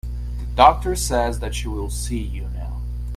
The doctor says that she will see you now.